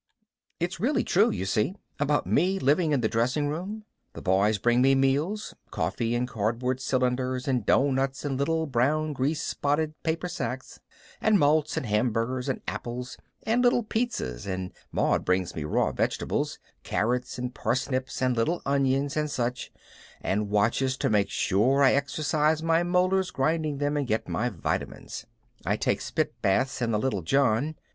It's really true, you see, about me actually living in the dressing room. The boys bring me meals: coffee in cardboard cylinders and doughnuts in little brown grease spotted paper sacks and malts and hamburgers and apples and little pizzas, and Maud brings me raw vegetables carrots and parsnips and little onions and such, and watches to make sure I exercise my molars grinding them and get my vitamins. I take spit baths in the little john.